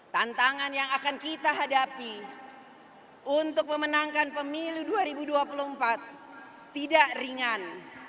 tantangan yang akan kita hadapi untuk memenangkan pemilu dua ribu dua puluh empat tidak ringan